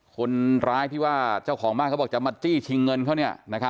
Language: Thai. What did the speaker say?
คนร้ายที่ว่าเจ้าของบ้านเขาบอกจะมาจี้ชิงเงินเขา